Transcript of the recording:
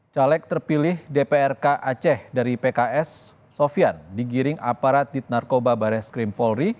caleg terpilih dprk aceh dari pks sofian digiring aparat dit narkoba bares krim polri